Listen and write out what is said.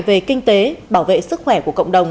về kinh tế bảo vệ sức khỏe của cộng đồng